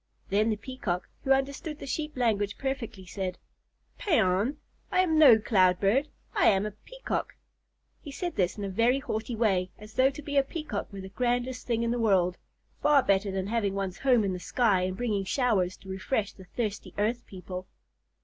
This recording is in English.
Then the Peacock, who understood the Sheep language perfectly, said, "Paon! I am no cloud bird. I am a Peacock." He said this in a very haughty way, as though to be a Peacock were the grandest thing in the world, far better than having one's home in the sky and bringing showers to refresh the thirsty earth people.